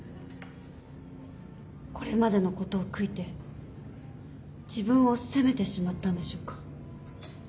これまでのことを悔いて自分を責めてしまったんでしょうか。